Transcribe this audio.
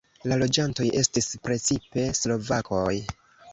La loĝantoj estis precipe slovakoj.